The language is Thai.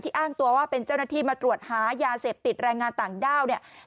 อ้างตัวว่าเป็นเจ้าหน้าที่มาตรวจหายาเสพติดแรงงานต่างด้าวเนี่ย